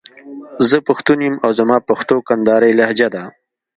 زه پښتون يم او زما پښتو کندهارۍ لهجه ده.